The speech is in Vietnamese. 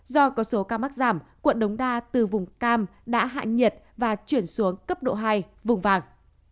do có số ca mắc giảm quận đống đa từ vùng cam đã hạ nhiệt và chuyển xuống cấp độ hai vùng vàng